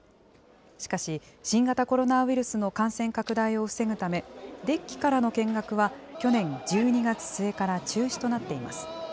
しかし、新型コロナウイルスの感染拡大を防ぐため、デッキからの見学は、去年１２月末から中止となっています。